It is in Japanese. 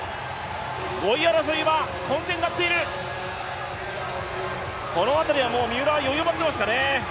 ５位争いは混戦になっている、この辺りは三浦は余裕を持っていますかね。